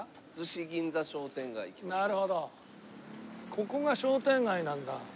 ここが商店街なんだ。